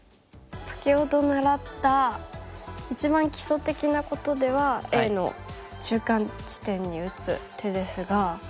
先ほど習った一番基礎的なことではＡの中間地点に打つ手ですが。